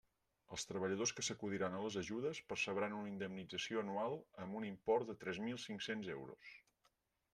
Els treballadors que s'acolliran a les ajudes percebran una indemnització anual amb un import de tres mil cinc-cents euros.